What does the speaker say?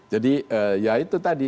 jadi ya itu tadi